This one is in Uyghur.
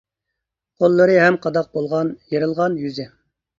قوللىرى ھەم قاداق بولغان، يېرىلغان يۈزى.